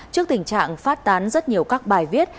trước tình trạng phát tán rất nhiều các bài viết